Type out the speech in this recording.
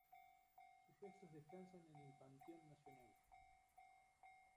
Sus restos descansan en el Panteón Nacional.